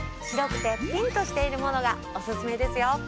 白くてピンとしているものがおすすめですよ。